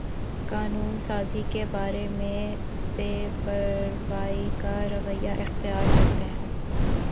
قانون سازی کے بارے میں بے پروائی کا رویہ اختیار کرتے ہیں